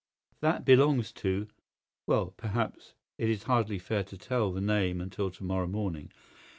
"That belongs to—well, perhaps it is hardly fair to tell the name until to morrow morning.